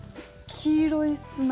黄色い砂。